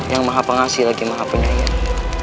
yang maha pengasih lagi maha penyayang